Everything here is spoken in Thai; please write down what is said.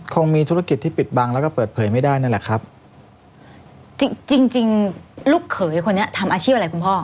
คงมีธุรกิจที่ปิดบังแล้วก็เปิดเผยไม่ได้นั่นแหละครับจริงจริงลูกเขยคนนี้ทำอาชีพอะไรคุณพ่อ